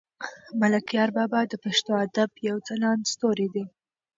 ملکیار بابا د پښتو ادب یو ځلاند ستوری دی.